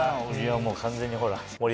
小木はもう完全にほら。